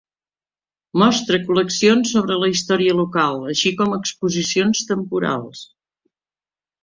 Mostra col·leccions sobre la història local, així com exposicions temporals.